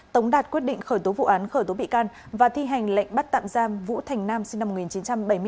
tống đạt quyết định khởi tố vụ án khởi tố bị can và thi hành lệnh bắt tạm giam vũ thành nam sinh năm một nghìn chín trăm bảy mươi bốn